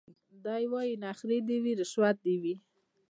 دی وايي نخرې دي وي رشوت دي وي